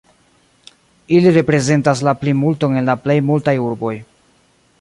Ili reprezentas la plimulton en la plej multaj urboj.